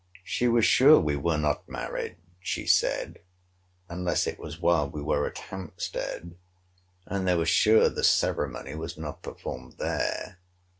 She was sure we were not married, she said, unless it was while we were at Hampstead: and they were sure the ceremony was not performed there.